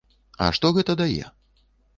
А што гэта дае?